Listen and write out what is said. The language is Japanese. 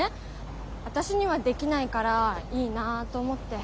私にはできないからいいなと思って。